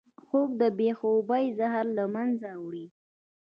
خوب د بې خوبۍ زهر له منځه وړي